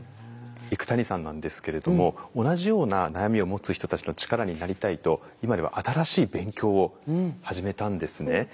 幾谷さんなんですけれども同じような悩みを持つ人たちの力になりたいと今では新しい勉強を始めたんですね。